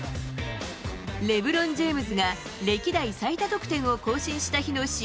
レブロン・ジェームズが歴代最多得点を更新した日の試合